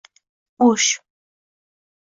O'sh